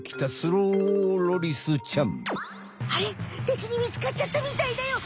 敵にみつかっちゃったみたいだよ。